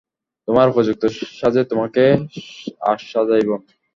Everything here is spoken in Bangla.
তোমার উপযুক্ত সাজে তোমাকে আজ সাজাইব।